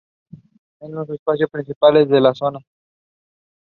This site stretches for along the flood plain of the River Test.